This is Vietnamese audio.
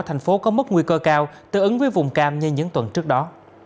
thành phố có mức nguy cơ cao tự ứng với vùng cam như những tuần trước đó